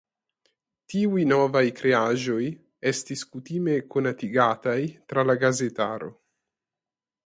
Tiuj novaj kreaĵoj estis kutime konatigataj tra la gazetaro.